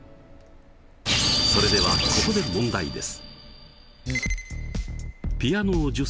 それではここで問題です。